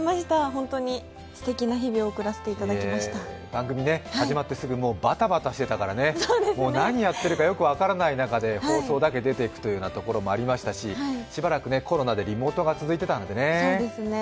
本当にすてきな日々を送らせてい番組始まってすぐバタバタしてたから何していいか分からない中、放送だけ出ていくということもありましたししばらくコロナでリモートが続いていたんでね。